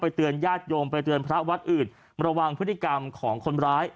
เตือนญาติโยมไปเตือนพระวัดอื่นระวังพฤติกรรมของคนร้าย